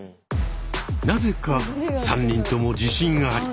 なぜか３人とも自信あり。